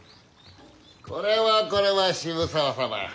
これはこれは渋沢様。